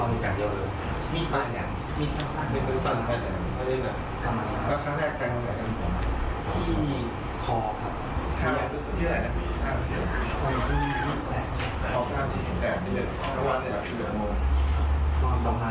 ตอนเรามากว่าสองนึงแล้ว